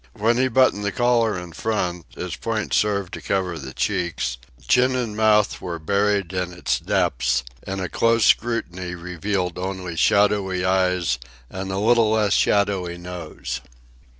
When he buttoned the collar in front, its points served to cover the cheeks, chin and mouth were buried in its depths, and a close scrutiny revealed only shadowy eyes and a little less shadowy nose.